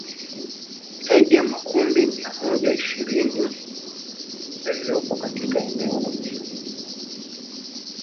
zaidi ya makundi mia moja ishirini yaliyopo katika eneo la mashariki mwa